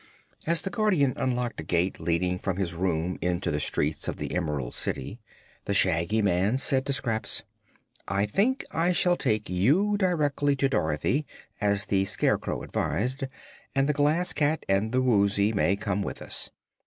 As the Guardian unlocked a gate leading from his room into the streets of the Emerald City, the Shaggy Man said to Scraps: "I think I shall take you directly to Dorothy, as the Scarecrow advised, and the Glass Cat and the Woozy may come with us.